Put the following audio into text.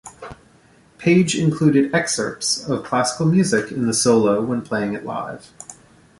Page included excerpts of classical music in the solo when playing it live.